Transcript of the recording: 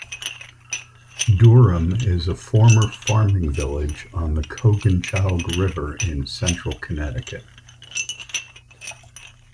Durham is a former farming village on the Coginchaug River in central Connecticut.